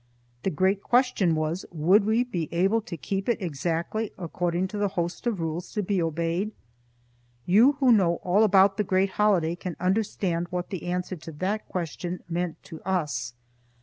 The great question was, Would we be able to keep it exactly according to the host of rules to be obeyed? You who know all about the great holiday can understand what the answer to that question meant to us.